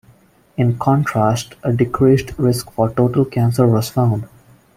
In contrast, a decreased risk for total cancer was found.